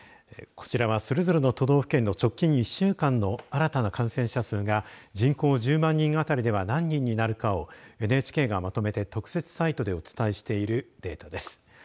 こちらはそれぞれの都道府県の直近１週間の新たな感染者数が人口１０万人あたりでは何人になるかをＮＨＫがまとめて特設サイトでお伝えしているデータです。